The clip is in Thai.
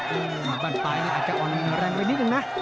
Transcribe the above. อือแบบอันไปเนี่ยอาจจะอ่อนแรงไปนิดหนึ่งนะ